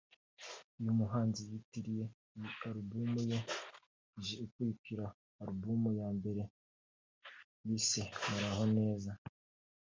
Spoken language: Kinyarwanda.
uyu muhanzi yitiriye iyi album ye ije ikurikira album ya mbere yise Muraho neza